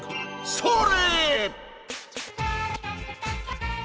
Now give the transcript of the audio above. それ！